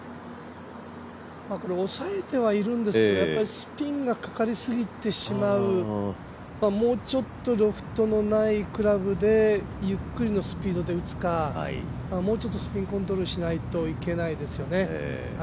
押さえてはいるんですけどスピンがかかりすぎてしまうもうちょっとロフトのないクラブでゆっくりのスピードで打つか、もうちょっとスピンコントロールをしないといけないですよね。